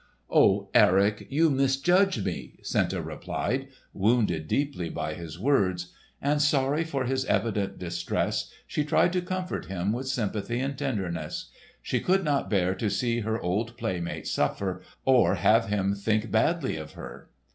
"Oh, Erik! you misjudge me!" Senta replied, wounded deeply by his words. And sorry for his evident distress she tried to comfort him with sympathy and tenderness. She could not bear to see her old playmate suffer, or have him think badly of her.